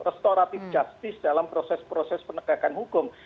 restoratif justice dalam proses proses penegakan hukum